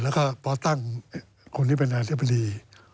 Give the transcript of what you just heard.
แล้วก็พอตั้งคนที่เป็นอธิบดี